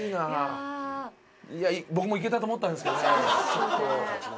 僕もいけたと思ったんですけどねちょっと。